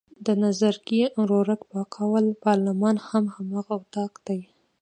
د نظرګي ورورک په قول پارلمان هم هماغه اطاق دی.